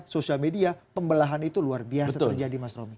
sosial media pembelahan itu luar biasa terjadi mas romy